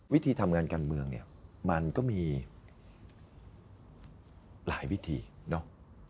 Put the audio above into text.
วิธีทำงานการเมืองเนี่ยมันก็มีหลายวิธีเนาะ